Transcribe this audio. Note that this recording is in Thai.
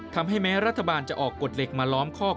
แม้รัฐบาลจะออกกฎเหล็กมาล้อมคอก